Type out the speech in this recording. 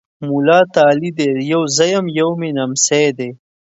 مولا تالی دی! يو زه یم، یو مې نمسی دی۔